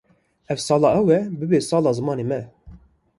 Ev sala ew ê bibe sala zimanê me.